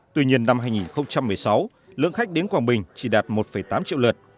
tuy nhiên năm hai nghìn một mươi sáu lượng khách đến quảng bình chỉ đạt một tám triệu lượt